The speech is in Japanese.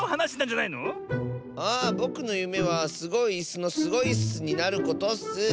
あぼくのゆめはスゴいいすの「スゴいっす」になることッス。